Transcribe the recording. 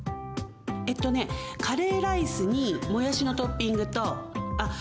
えっとねカレーライスにもやしのトッピングとあっ